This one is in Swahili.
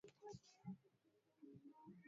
Chato kufananishwa na kijiji cha Gbadolite